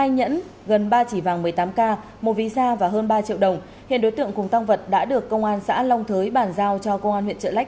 hai nhẫn gần ba chỉ vàng một mươi tám k một ví da và hơn ba triệu đồng hiện đối tượng cùng tăng vật đã được công an xã long thới bàn giao cho công an huyện trợ lách